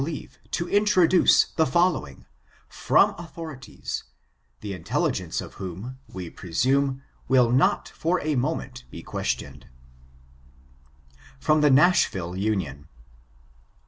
leare to introduce the following, from authorities, the intelligence of whom, we presume, will not for a moment be questioned :— [From the Nashville Union.